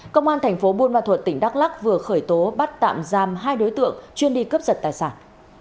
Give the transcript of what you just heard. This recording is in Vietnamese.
công an thành phố buôn ma thuật tỉnh đắk lắc vừa khởi tố bắt tạm giam hai đối tượng chuyên đi cướp giật tài sản